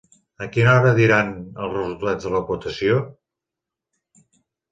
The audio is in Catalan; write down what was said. A quina hora diran els resultats de la votació?